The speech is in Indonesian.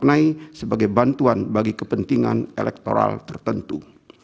yang dapat dimaknai sebagai bantuan bagi kepentingan elektoral tertentu